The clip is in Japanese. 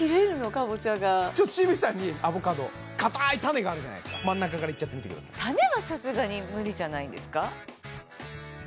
かぼちゃが紫吹さんにアボカドかたい種があるじゃないですか真ん中からいっちゃってみてください種はさすがに無理じゃないですか？